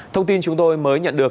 thông tin chúng tôi mới nhận được